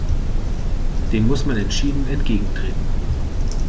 Dem muss man entschieden entgegentreten!